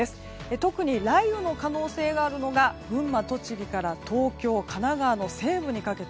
特に雷雨の可能性があるのが群馬、栃木から東京、神奈川の西部にかけて。